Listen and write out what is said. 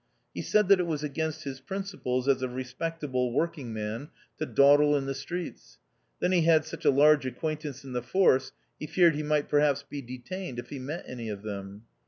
He said that it was agr inst his principles, as a respectable work ing man, to dawdle in the streets ; then he had such a large acquaintance in the Force, lie feared he might perhaps be detained if he m t any of them.